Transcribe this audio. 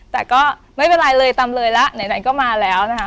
แต่ก็ไม่เป็นไรเลยตำเลยละไหนก็มาแล้วนะคะ